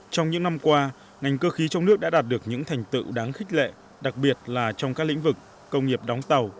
trong những năm qua ngành cơ khí trong nước đã đạt được những thành tựu đáng khích lệ đặc biệt là trong các lĩnh vực công nghiệp đóng tàu